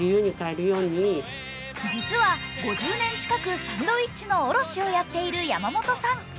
実は５０年近く、サンドイッチの卸をやっている山本さん。